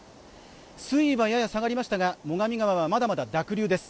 水位はやや下がりましたが南側はまだまだ濁流です